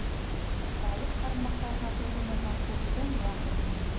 Балыҡ ҡармаҡларға тотонорға күптән ваҡыт ине.